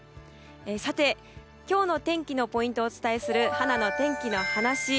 今日の天気のポイントをお伝えするはなの天気のはなし。